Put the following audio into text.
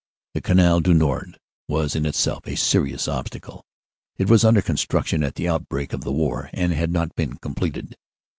"The Canal du Nord was in itself a serious obstacle. It was under construction at the outbreak of the war and had not been completed.